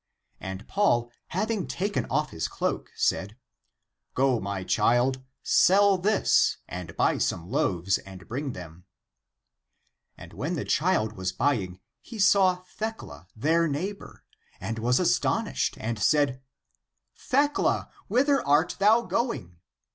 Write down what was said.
And Paul, having taken off his cloak, said, " Go, my child, sell this and buy some loaves and bring them." And when the child was buying he saw Thecla their neighbor, and was astonished and said, " Thecla, whither art thou going?